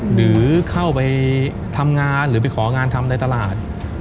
หรือเข้าไปทำงานหรือไปของานทำในตลาด